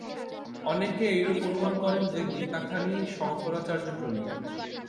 অনেকে এইরূপ অনুমান করেন যে, গীতাখানি শঙ্করাচার্য-প্রণীত।